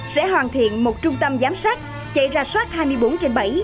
sẽ hoàn thiện một trung tâm giám sát chạy ra soát hai mươi bốn trên bảy